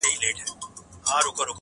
او جارچي به په هغه گړي اعلان كړ؛